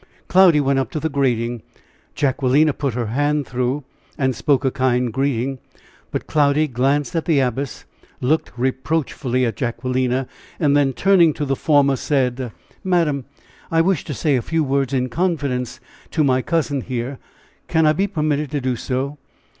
Cloudy went up to the grating. Jacquelina put her hand through, and spoke a kind greeting; but Cloudy glanced at the Abbess, looked reproachfully at Jacquelina, and then turning to the former, said: "Madam, I wish to say a few words in confidence to my cousin here. Can I be permitted to do so?"